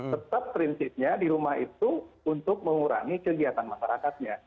tetap prinsipnya di rumah itu untuk mengurangi kegiatan masyarakatnya